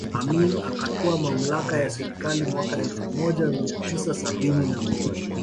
Amin akatwaa mamlaka ya serikali mwaka elfu moja mia tisa sabini na moja